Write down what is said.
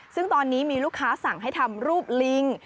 ซึ่งตอนนี้มีลูกค้าสั่งให้ทำรูปลิง